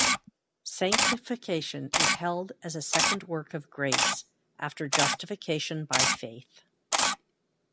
Sanctification is held as a second work of grace after justification by faith.